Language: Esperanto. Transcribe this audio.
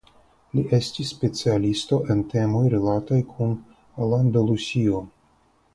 Li estis specialisto en temoj rilataj kun Alandalusio.